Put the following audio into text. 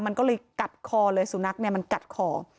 มันก็เลยกัดคอเลยสุนัขเนี่ยมันกัดคอ